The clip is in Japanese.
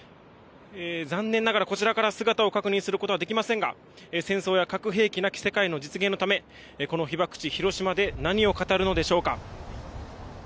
残念ながらこちらから姿を確認することはできませんが戦争や核兵器なき世界実現のためこの被爆地・広島で何を語るのでしょうか。